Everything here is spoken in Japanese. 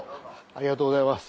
ありがとうございます。